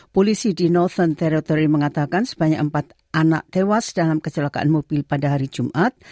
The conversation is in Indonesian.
polisi di nolson terrotory mengatakan sebanyak empat anak tewas dalam kecelakaan mobil pada hari jumat